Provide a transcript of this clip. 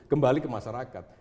kembali ke masyarakat